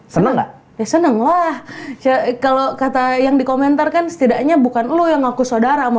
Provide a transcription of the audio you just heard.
seneng seneng lah kalau kata yang dikomentarkan setidaknya bukan lu yang ngaku saudara sama